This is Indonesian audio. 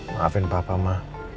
maafin papa mah